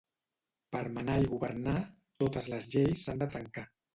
Per manar i governar totes les lleis s'han de trencar.